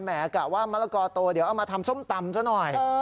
แมกว่ามลักอล์โตเด็ดเอามาทำส้มตำเซอหน่อย